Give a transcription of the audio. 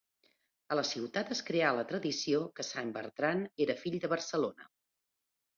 A la ciutat es creà la tradició que Sant Bertran era fill de Barcelona.